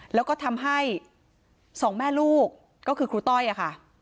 แล้วก็ทำให้สองแม่ลูกก็คือครูต้อยค่ะ